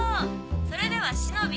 それではしのびぃ